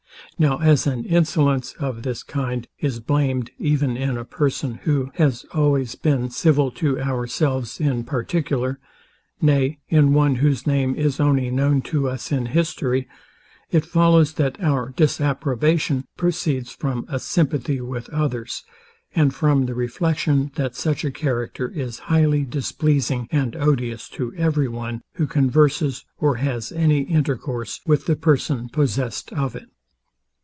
Now as an insolence of this kind is blamed even in a person who has always been civil to ourselves in particular; nay, in one, whose name is only known to us in history; it follows, that our disapprobation proceeds from a sympathy with others, and from the reflection, that such a character is highly displeasing and odious to every one, who converses or has any intercourse with the person possest of it.